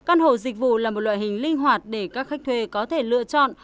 căn hộ dịch vụ là một loại hình linh hoạt để các khách thuê có thể lựa chọn